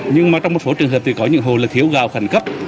nhưng trong một số trường hợp thì có những hồ thiếu gạo khẩn cấp